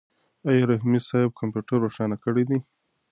آیا رحیمي صیب کمپیوټر روښانه کړی دی؟